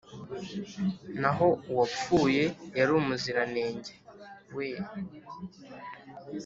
Na ho uwapfuye ari umuziranenge, we